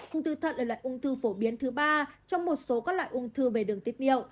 ung thư thận là loại ung thư phổ biến thứ ba trong một số các loại ung thư về đường tiết niệu